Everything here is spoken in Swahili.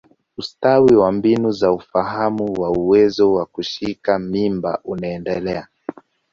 Ustawi wa mbinu za ufahamu wa uwezo wa kushika mimba unaendelea.